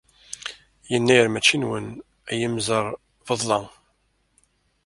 Yennayer maci nwen, a imẓerbeḍḍa.